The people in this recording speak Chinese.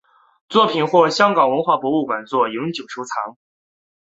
作品获香港文化博物馆作永久收藏。